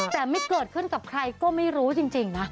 แต่ไม่เกิดขึ้นกับใครก็ไม่รู้จริงนะ